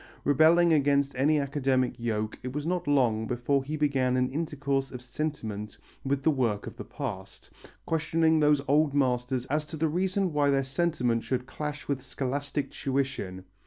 Rebelling against any academic yoke it was not long before he began an intercourse of sentiment with the work of the past, questioning those old masters as to the reason why their sentiment should clash with scholastic tuition.